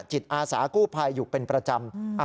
จิตอาสากู้ภัยอยู่เป็นประจำ